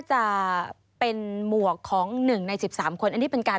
สวัสดีค่ะสวัสดีค่ะ